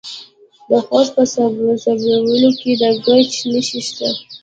د خوست په صبریو کې د ګچ نښې شته.